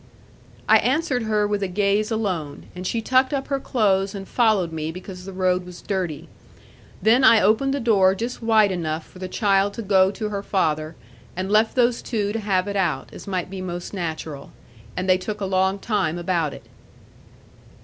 I answered her with a gaze alone; and she tucked up her clothes and followed me because the road was dirty. Then I opened the door just wide enough for the child to to go her father, and left those two to have it out, as might be most natural. And they took a long time about it.